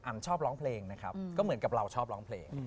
ชอบร้องเพลงนะครับก็เหมือนกับเราชอบร้องเพลง